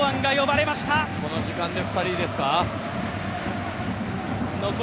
この時間で２人ですか。